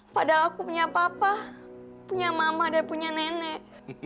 padahal aku punya papa punya mama dan punya nenek